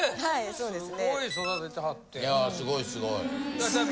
そうですね